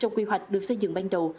trong quy hoạch được xây dựng ban đầu